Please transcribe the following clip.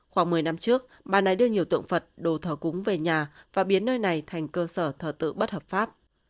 khoảng một mươi năm trước bà này đưa nhiều tượng phật đồ thờ cúng về nhà và biến nơi này thành cơ sở thờ tự bất hợp pháp